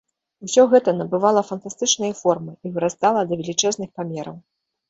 Усё гэта набывала фантастычныя формы і вырастала да велічэзных памераў.